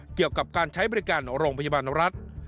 เกี่ยวกับการใช้บริการโรงพยาบาลรัฐ